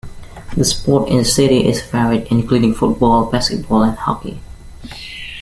The sport in the city is varied including football, basketball and hockey.